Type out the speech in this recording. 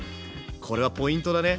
これはポイントだね。